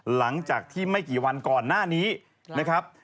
หลังจากที่ไม่กี่วันก่อนหน้านี้นะครับ